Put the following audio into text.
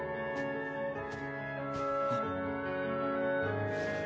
あっ。